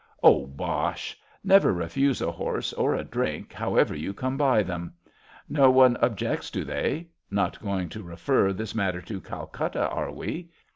Oh, bosh! Never refuse a horse or a drink, however you come by them. No one objects, do they? Not going to refer this matter to Calcutta, are we?